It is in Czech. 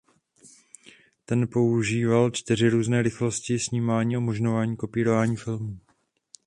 Ten používal čtyři různé rychlosti snímání a umožňoval kopírování filmů.